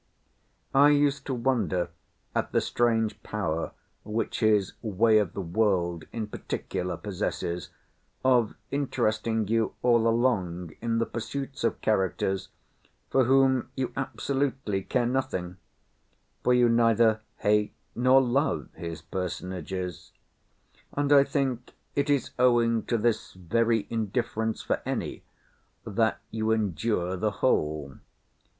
I used to wonder at the strange power which his Way of the World in particular possesses of interesting you all along in the pursuits of characters, for whom you absolutely care nothing—for you neither hate nor love his personages—and I think it is owing to this very indifference for any, that you endure the whole.